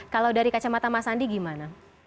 kalau dari kacamata mas andi gimana